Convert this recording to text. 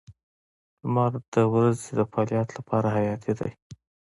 • لمر د ورځې د فعالیت لپاره حیاتي دی.